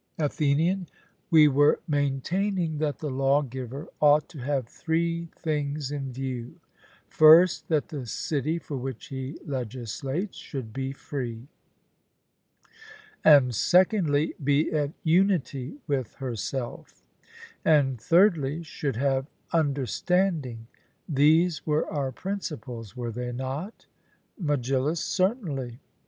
ATHENIAN: We were maintaining that the lawgiver ought to have three things in view: first, that the city for which he legislates should be free; and secondly, be at unity with herself; and thirdly, should have understanding; these were our principles, were they not? MEGILLUS: Certainly.